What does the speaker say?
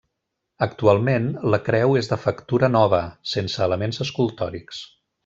Actualment, la creu és de factura nova, sense elements escultòrics.